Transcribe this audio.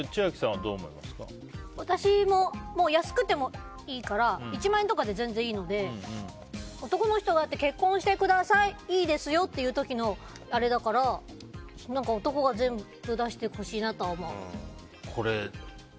私も安くてもいいから１万円とかで全然いいので男の人が、結婚してくださいいいですよっていう時のあれだから男が全部出してほしいなとは思う。